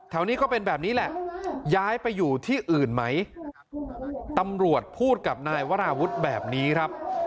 นี้ก็เป็นแบบนี้แหละย้ายไปอยู่ที่อื่นไหมตำรวจพูดกับนายวราวุฒิแบบนี้ครับ